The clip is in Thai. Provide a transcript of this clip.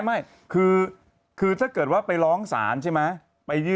ไม่คือถ้าเกิดว่าไปร้องศาลใช่ไหม